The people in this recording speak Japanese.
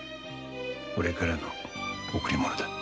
俺からの贈り物だ。